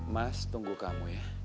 mas tunggu kamu ya